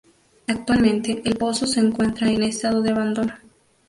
Actualmente el pozo se encuentra en estado de abandono.